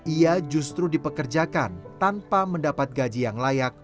ia justru dipekerjakan tanpa mendapat gaji yang layak